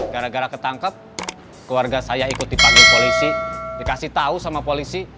gara gara ketangkep keluarga saya ikut dipanggil polisi dikasih tahu sama polisi